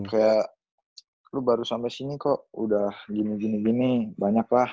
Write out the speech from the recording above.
kayak lu baru sampai sini kok udah gini gini banyak lah